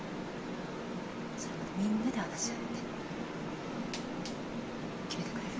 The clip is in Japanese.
それまでみんなで話し合って決めてくれる？